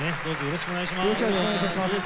よろしくお願いします。